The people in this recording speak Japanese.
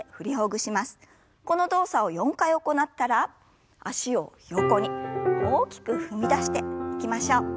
この動作を４回行ったら脚を横に大きく踏み出していきましょう。